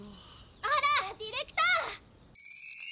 あらディレクター！